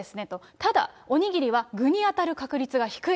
ただ、お握りは具に当たる確率が低い。